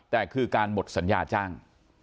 แต่คือการหมดสัญญาจ้าง